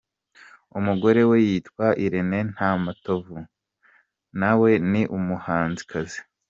Umugore we yitwa Irene Namatovu ,nawe ni umuhanzikazi.